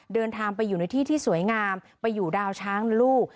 เดินทางไปอยู่ในที่ที่สวยงามไปอยู่ดาวช้างลูก